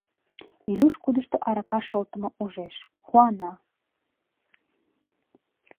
Илюш кудышто арака шолтымым ужеш, куана.